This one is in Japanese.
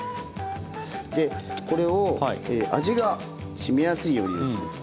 でこれを味がしみやすいようにですね